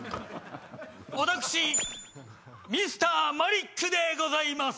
私Ｍｒ．マリックでございます。